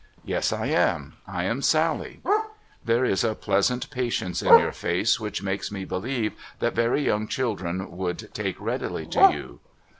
' Yes, I am. I am Sally.' ''inhere is a pleasant patience in your face which makes me believe that very young children would take readily to you.'